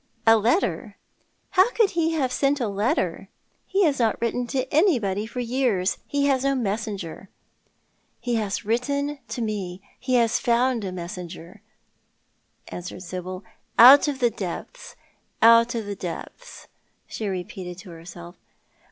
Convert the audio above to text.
" A letter. How could he send a letter ? He has not written to anybody for years. He has no messenger," " He has written to me ; he has found a messenger," answered Sibyl, " out of the depths — out of the depths," she repeated to herself.